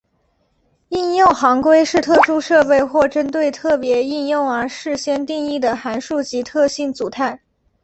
应用行规是特殊设备或针对特别应用而事先定义的函数及特性组态。